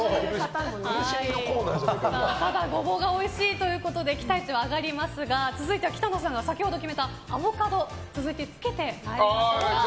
ただゴボウがおいしいということで期待値は上がりますが続いては北乃さんが先ほど決めたアボカドを続いて漬けてまいりましょう。